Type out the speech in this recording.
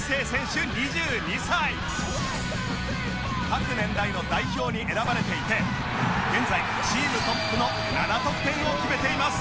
各年代の代表に選ばれていて現在チームトップの７得点を決めています